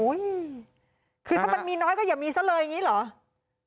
คือถ้ามันมีน้อยก็อย่ามีซะเลยอย่างนี้เหรอ